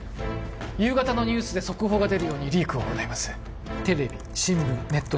夕方のニュースで速報が出るようにリークを行いますテレビ新聞ネット